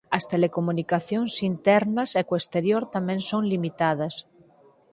As telecomunicacións internas e co exterior tamén son limitadas.